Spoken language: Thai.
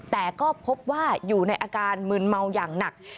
แต่ก็พบว่าอยู่ในอาการมืนเมาอย่างหนัก